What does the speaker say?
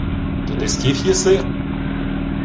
— То ти скіф єси?